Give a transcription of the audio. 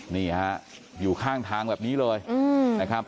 นี่ฮะอยู่ข้างทางแบบนี้เลยนะครับ